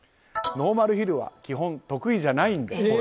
ノーマルヒルは基本得意じゃないんで。